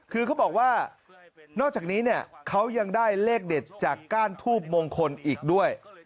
คือเขาบอกว่านอกจากนี้เนี่ยเขายังได้เลขเด็ดจากก้านทูบมงคลอีกด้วย